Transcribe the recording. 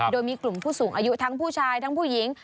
โดยมีกลุ่มผู้สูงอายุทั้งผู้ชายทั้งผู้หญิง